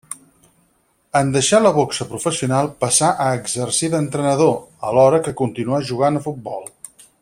En deixar la boxa professional passà a exercir d'entrenador, alhora que continuà jugant a futbol.